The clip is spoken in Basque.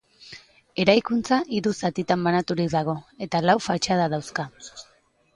Eraikuntza hiru zatitan banaturik dago eta lau fatxada dauzka.